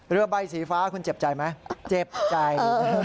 เรือใบสีฟ้าคุณเจ็บใจไหมเจ็บใจ